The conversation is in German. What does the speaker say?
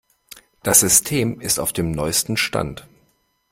Das System ist auf dem neuesten Stand.